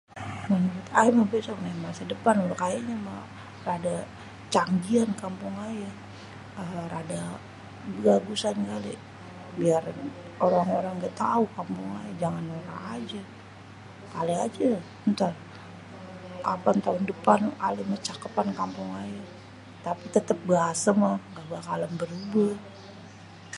Menurut ayé nih besok masa depan udéh adê kayanyé mêh radê canggian kampung ayé radê bagusan kali biar orang-orang gê tau kampung ayê jangan nora ajê. Kali ajê èntar apa taon depan kali mêh cakêpan kampung ayê tapi tètèp bahasê mêh kaga bakalan berubêh.